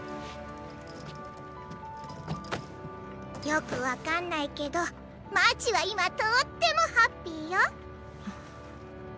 よく分かんないけどマーチはいまとってもハッピーよ。